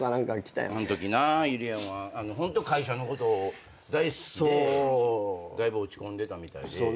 あのときなゆりやんは会社のこと大好きでだいぶ落ち込んでたみたいで。